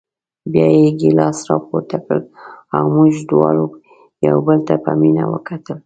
بیا یې ګیلاس راپورته کړ او موږ دواړو یو بل ته په مینه وکتل.